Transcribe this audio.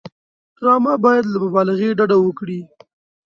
ډرامه باید له مبالغې ډډه وکړي